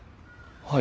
はい。